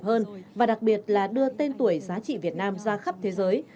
hành trình đưa tên tuổi giá trị việt nam ra khắp thế giới